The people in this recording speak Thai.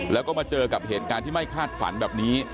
แล้วก็มาเจอกับเหตุการณ์ที่ไม่คาดฝันแบบนี้